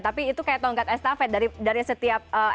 tapi itu kayak tongkat estafet dari setiap